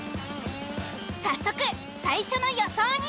早速最初の予想に。